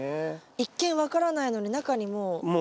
一見分からないのに中にもう。